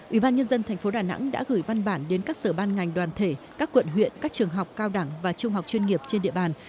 ủy ban nhân dân tp đà nẵng đã gửi văn bản đến các sở ban ngành đoàn thể các quận huyện các trường học cao đẳng và trung học chuyên nghiệp trên địa bàn